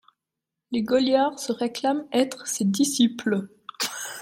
Les Goliards se réclament être ses disciples.